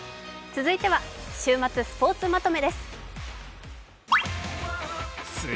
続いては、週末スポーツまとめです。